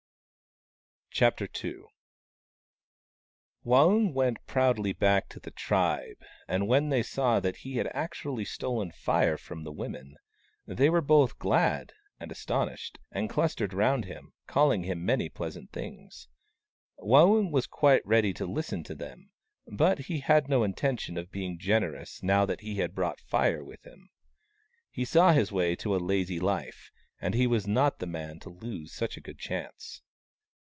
Chapter II Waung went proudly back to the tribe, and when they saw that he had actually stolen Fire from the women, they were both glad and astonished, and clustered round him, calling him many pleasant things. Waung was quite ready to listen to them ; but he had no intention of being generous now that he had brought Fire with him. He saw his way to a lazy life, and he was not the man to lose such a good chance.